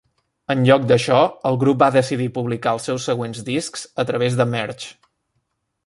En lloc d'això, el grup va decidir publicar els seus següents discs a través de Merge.